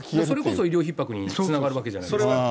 それこそ医療ひっ迫につながるわけじゃないですか。